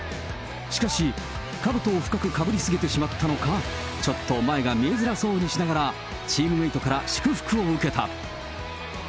しかし、かぶとを深くかぶり過ぎてしまったのか、ちょっと前が見えづらそうにしながら、チームメートから祝福を受けた。